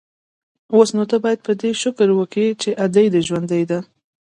اوس نو ته بايد په دې شکر وکې چې ادې دې ژوندۍ ده.